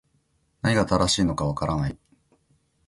何が正しいのか分からない